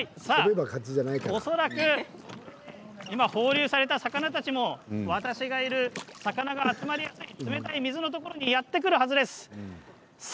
恐らく今、放流された魚たちも私がいる、魚が集まりやすい冷たい水のところにやって来るはずです。